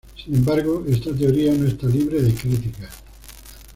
Sin embargo, esta teoría no está libre de crítica.